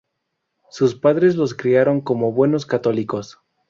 Sus padres los criaron como buenos católicos.